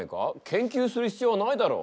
研究する必要はないだろう。